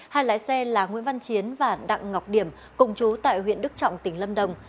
hai lái xe là nguyễn văn chiến và đặng ngọc điểm cùng chú tại huyện đức trọng tỉnh lâm đồng